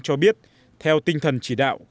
cho biết theo tinh thần chỉ đạo